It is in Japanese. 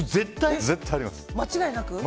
間違いなく？